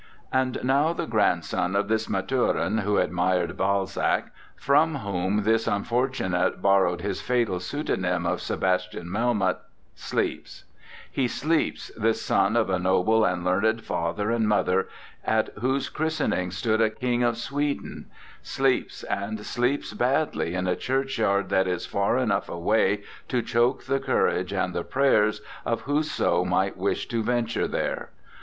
And now the grandson of this Math urin, who admired Balzac, from whom this unfortunate borrowed his fatal pseu donym of Sebastian Melmoth, sleeps; he sleeps, this son of a noble and learned father and mother, at whose christening stood a King of Sweden; sleeps, and sleeps badly, in a churchyard that is far enough away to choke the courage and the prayers of whoso might wish to ven ture there.